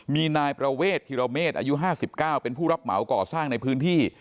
มีนายประเวทธิรเมษอายุ๕๙เป็นผู้รับเหมาก่อสร้างในพื้นที่